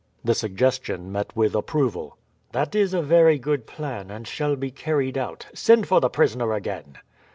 The suggestion met with approval. "That is a very good plan, and shall be carried out. Send for the prisoner again."